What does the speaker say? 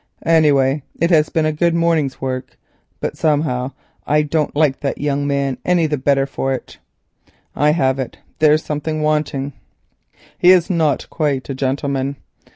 Anyway it has been a good morning's work, but somehow I don't like that young man any the better for it. I have it—there's something wanting. He is not quite a gentleman.